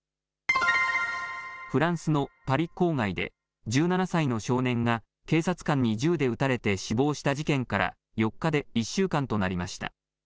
フランスのパリ郊外で１７歳の少年が警察官に銃で撃たれて死亡した事件から４日で１週間となりました。